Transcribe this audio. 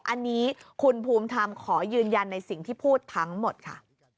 อันนี้คุณภูมิธรรมขอยืนยันในสิ่งที่พูดทั้งหมดค่ะ